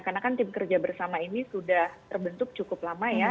karena kan tim kerja bersama ini sudah terbentuk cukup lama ya